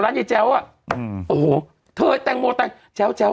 ร้านเยอแจ๊วอ่ะอือโอ้โหเธอแตงโมเต้ยแจ๊วแจ๊ว